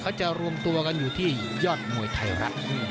เขาจะรวมตัวกันอยู่ที่ยอดมวยไทยรัฐ